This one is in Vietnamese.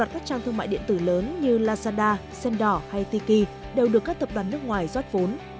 các trang thương mại điện tử lớn như lazada sendor hay tiki đều được các tập đoàn nước ngoài rót vốn